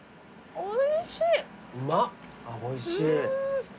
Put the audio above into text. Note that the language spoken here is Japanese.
おいしい。